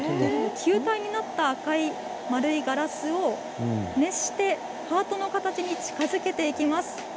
球体になった赤い丸いガラスを熱してハートの形に近づけていきます。